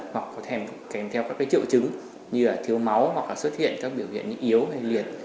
hoặc có kèm theo các triệu chứng như thiếu máu hoặc là xuất hiện các biểu hiện yếu hay liệt